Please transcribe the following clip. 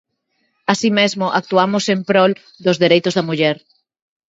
Así mesmo, actuamos en prol dos dereitos da muller.